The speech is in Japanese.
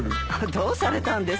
どうされたんですか？